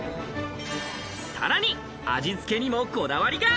さらに、味付けにも、こだわりが。